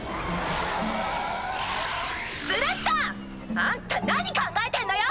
あんた何考えてんのよ！